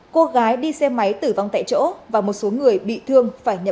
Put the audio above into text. cô gái đi xe máy tử vong tại chỗ và một số người bị thương phải nhập